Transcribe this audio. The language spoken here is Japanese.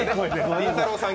りんたろーさん